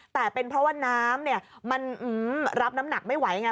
แต่เป็นเพราะว่าน้ำมันรับน้ำหนักไม่ไหวไง